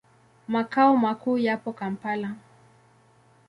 Makao makuu yapo Kampala.